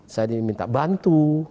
saya diminta bantu